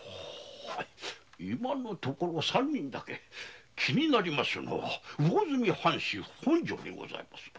今のところ気になりますのは魚住藩主本庄にございます。